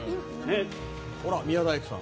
ほら、宮大工さん。